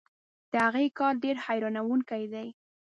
د هغې کار ډېر حیرانوونکی دی.